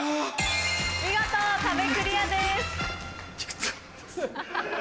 見事壁クリアです。